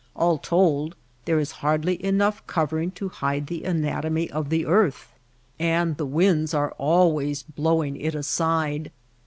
All told there is hardly enough covering to hide the anatomy of the earth. And the winds are always blowing it aside.